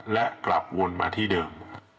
และกลับวนมาที่เดิม